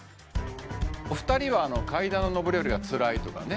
お二人は階段の上り下りがつらいとかね